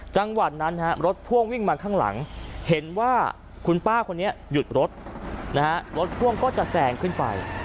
จังหวัดนั้นรถพ่วงวิ่งมาข้างหลังเห็นว่าคุณป้าคนนี้หยุดรถนะฮะรถพ่วงก็จะแซงขึ้นไป